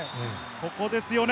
ここですよね。